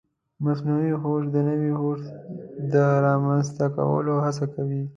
مصنوعي هوښ د نوي هوښ د رامنځته کولو هڅه کوي.